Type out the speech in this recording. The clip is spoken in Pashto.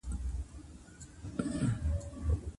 ډېر چاڼ د لوړ ږغ سره دلته راوړل کېدی.